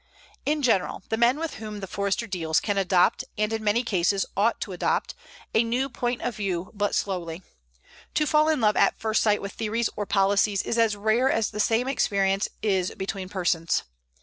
In general, the men with whom the Forester deals can adopt, and in many cases, ought to adopt, a new point of view but slowly. To fall in love at first sight with theories or policies is as rare as the same experience is between persons.